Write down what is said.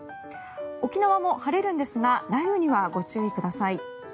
沖縄も晴れるんですが雷雨にはご注意ください。